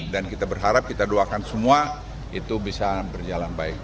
dan kita berharap kita doakan semua itu bisa berjalan baik